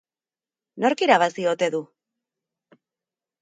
Nork irabazi ote du?